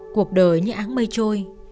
cuộc đời như áng mây trôi